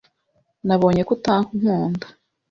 Nabonye ko utankunda.